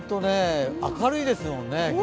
明るいですもんね。